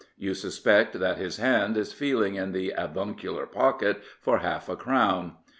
You suspect that his hand is feeling in the avuncular pocket for half a crown.